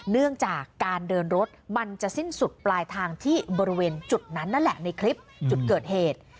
เนื่องจากการเดินรถมันจะสิ้นสุดปลายทางที่บริเวณจุดนั้นนั่นแหละในคลิปจุดเกิดเหตุ